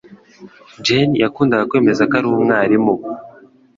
Jane yakundaga kwemeza ko ari umwarimu.